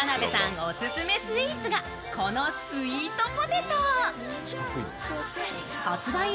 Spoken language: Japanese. オススメスイーツがこのスイートポテト。